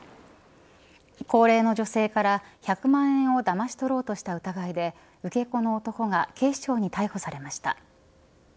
高齢の女性から１００万円をだまし取ろうとした疑いで受け子の男が警視庁に逮捕されました。